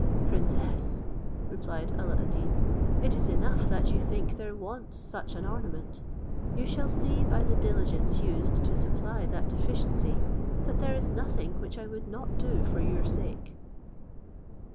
"Princess," replied Alla ad Deen, "it is enough that you think there wants such an ornament; you shall see by the diligence used to supply that deficiency, that there is nothing which I would not do for your sake."